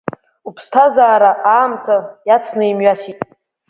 Уԥсҭазаара аамҭа иацны имҩасуеит.